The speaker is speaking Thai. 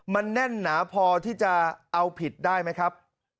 มันแน่นหนาพอที่จะเอาผิดได้ไหมครับ